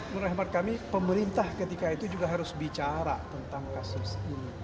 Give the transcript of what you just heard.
menurut ahmad kami pemerintah ketika itu juga harus bicara tentang kasus ini